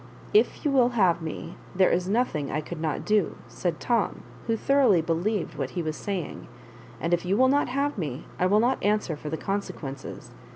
If you will have me, there is nothing I could not do," said Tom, who thoroughly believed what be was saying; " and if you will not have me. I will not answer for the consequences.